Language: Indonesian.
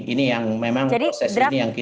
ini yang memang proses ini yang kita